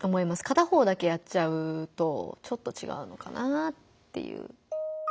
片方だけやっちゃうとちょっとちがうのかなぁっていう。